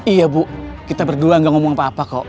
iya bu kita berdua gak ngomong apa apa kok